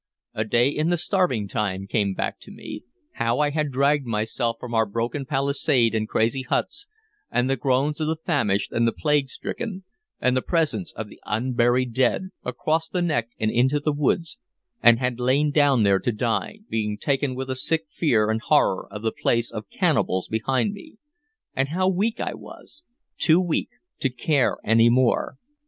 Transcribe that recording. A day in the Starving Time came back to me: how I had dragged myself from our broken palisade and crazy huts, and the groans of the famished and the plague stricken, and the presence of the unburied dead, across the neck and into the woods, and had lain down there to die, being taken with a sick fear and horror of the place of cannibals behind me; and how weak I was! too weak to care any more.